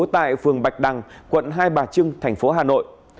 tại phường bạch đằng quận hai bà trưng thành phố hà nội